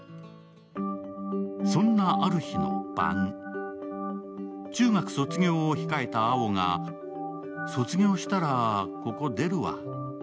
そんなある日の晩、中学卒業を控えた蒼が、卒業したら、ここ出るわ。